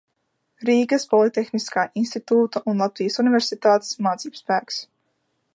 Rīgas Politehniskā institūta un Latvijas Universitātes mācībspēks.